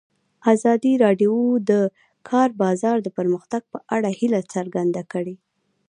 ازادي راډیو د د کار بازار د پرمختګ په اړه هیله څرګنده کړې.